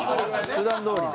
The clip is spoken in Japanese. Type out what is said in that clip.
普段どおりで。